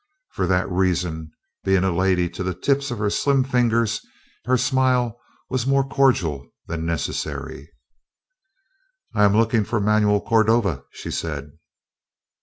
For that reason, being a lady to the tips of her slim fingers, her smile was more cordial than necessary. "I am looking for Manuel Cordova," she said.